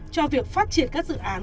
cho việc phát triển các dự án